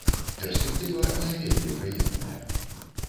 Перспектыва не вельмі прыемная.